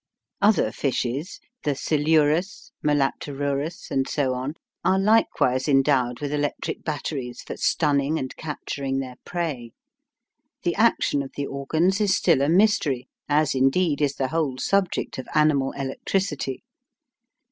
Other fishes the silurus, malapterurus, and so on are likewise endowed with electric batteries for stunning and capturing their prey. The action of the organs is still a mystery, as, indeed, is the whole subject of animal electricity.